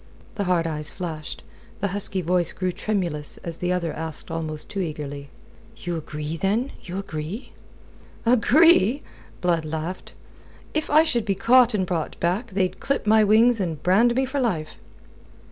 The hard eyes flashed, the husky voice grew tremulous as the other asked almost too eagerly: "You agree, then? You agree?" "Agree?" Blood laughed. "If I should be caught and brought back, they'd clip my wings and brand me for life."